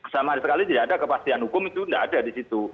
sama sekali tidak ada kepastian hukum itu tidak ada di situ